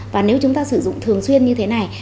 và nếu chúng ta sử dụng thường xuyên như thế này